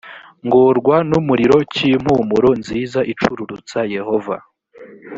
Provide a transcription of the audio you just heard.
ngorwa n umuriro cy impumuro nziza icururutsa yehova